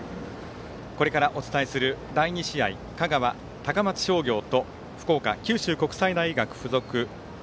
これからお伝えする第２試合香川、高松商業と福岡、九州国際大学付属。